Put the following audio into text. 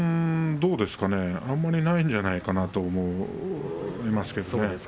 どうですかねあんまりないんじゃないかなと思いますけれどね。